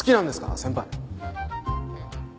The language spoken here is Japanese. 先輩。